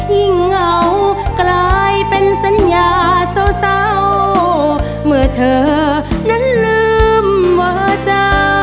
เหงากลายเป็นสัญญาเศร้าเมื่อเธอนั้นลืมว่าจ้า